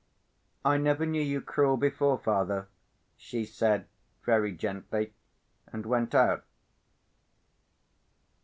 "I never knew you cruel before, father," she said, very gently, and went out.